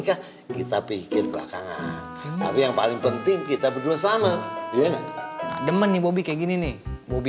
cimba jadi gini loh